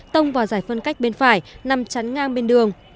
tông vào giải phân cách bên phải nằm chắn ngang bên đường